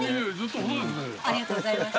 ありがとうございます。